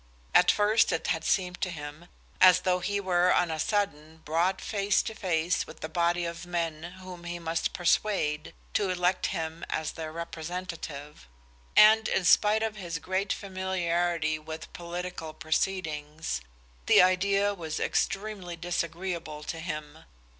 At first it had seemed to him as though he were on a sudden brought face to face with a body of men whom he must persuade to elect him as their representative, and in spite of his great familiarity with political proceedings, the idea was extremely disagreeable to him.